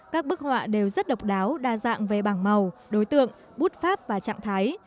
các bức họa đều rất độc đáo đa dạng về bảng màu đối tượng bút pháp và trạng thái